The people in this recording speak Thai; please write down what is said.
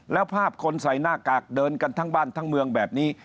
แล้วภาพคนใส่หน้ากากเดินกันทั้งบ้านทั้งเมืองแบบนี้